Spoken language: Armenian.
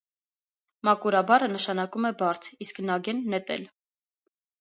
«Մակուրա» բառը նշանակում է «բարձ», իսկ «նագեն»՝ նետել։